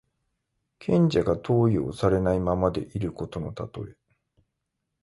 賢者が登用されないままでいることのたとえ。